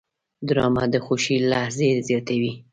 ډرامه د خوښۍ لحظې زیاتوي